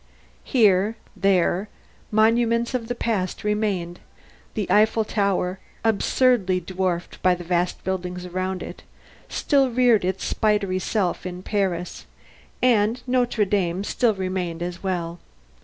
Here, there, monuments of the past remained the Eiffel Tower, absurdly dwarfed by the vast buildings around it, still reared its spidery self in Paris, and Notre Dame still remained as well.